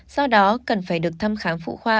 do đó cần phải được thăm khám phụ khoa